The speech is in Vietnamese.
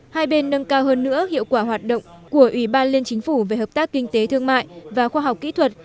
hai bên nâng cao hơn nữa hiệu quả hoạt động của ủy ban liên chính phủ về hợp tác kinh tế thương mại và khoa học kỹ thuật